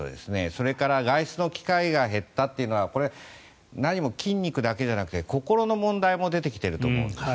それから外出の機会が減ったというのはこれは何も筋肉だけじゃなくて心の問題も出てきていると思うんです。